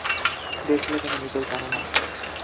দেখলে, তুমি নিজেও জানো না!